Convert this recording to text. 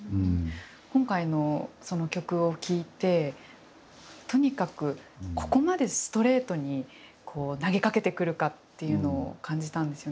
今回の曲を聴いてとにかくここまでストレートにこう投げかけてくるかっていうのを感じたんですよね。